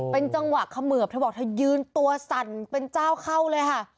เป็นจังหวะเขมือบเธอบอกเธอยืนตัวสั่นเป็นเจ้าเข้าเลยค่ะ